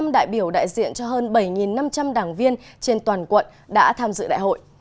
hai trăm tám mươi năm đại biểu đại diện cho hơn bảy năm trăm linh đảng viên trên toàn quận đã tham dự đại hội